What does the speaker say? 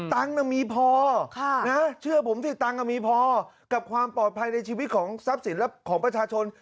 ตังค์มีพอเชื่อผมสิตังค์มีพอกับความปลอดภัยในชีวิตของทรัพย์สินและของประชาชน